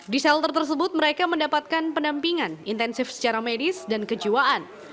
di shelter tersebut mereka mendapatkan pendampingan intensif secara medis dan kejiwaan